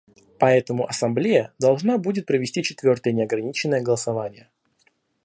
Поэтому Ассамблея должна будет провести четвертое неограниченное голосование.